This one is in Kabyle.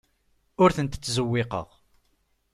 Ur tent-ttzewwiqeɣ.